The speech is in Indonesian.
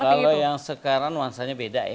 kalau yang sekarang nuansanya beda ya